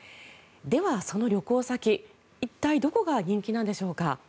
では、その旅行先一体どこが人気なんでしょうか。